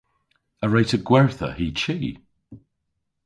A wre'ta gwertha hy chi?